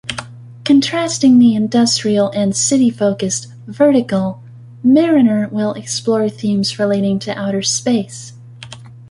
Contrasting the industrial- and city-focused "Vertikal", "Mariner" will explore themes relating to outer space.